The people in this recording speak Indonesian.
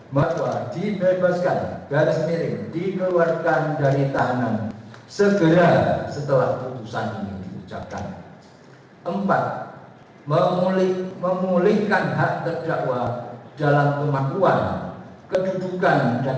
empat memulihkan hak terdakwa dalam kemakuan kedudukan dan harapannya